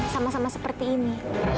sama sama seperti ini